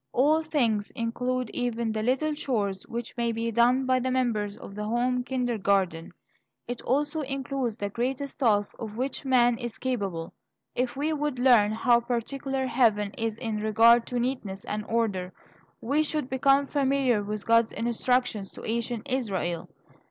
All things include even the little chores which may be done by the members of the home kindergarten; it also includes the greatest task of which man is capable. If we would learn how particular Heaven is in regard to neatness and order, we should become familiar with God's instructions to ancient Israel.